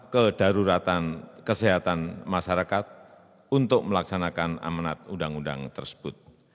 kedaruratan kesehatan masyarakat untuk melaksanakan amanat undang undang tersebut